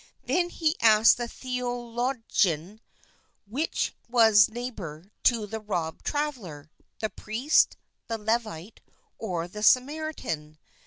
Then he asked the theologian which was neighbour to the robbed traveller the priest, the Levite or the Samaritan.